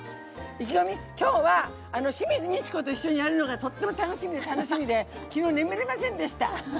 きょうは清水ミチコと一緒にやるのがとっても楽しみで楽しみで昨日眠れませんでした。